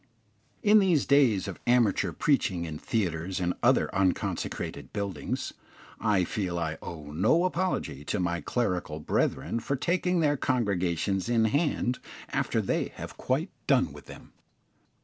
In these days of amateur preaching in theatres and other unconsecrated buildings, I feel I owe no apology to my clerical brethren for taking their congregations in hand after they have quite done with them.